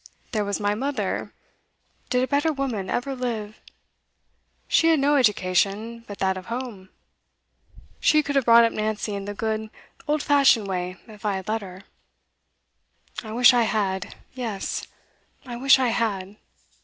There was my mother, did a better woman ever live? She had no education but that of home. She could have brought up Nancy in the good, old fashioned way, if I had let her. I wish I had, yes, I wish I had.